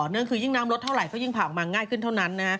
นั่นคือยิ่งน้ำลดเท่าไหร่ก็ยิ่งผ่าออกมาง่ายขึ้นเท่านั้น